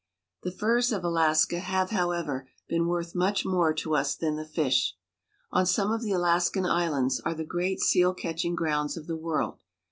The furs of Alaska have, however, been worth much more to us than the fish. On some of the Alaskan islands are the great seal catching grounds of the world.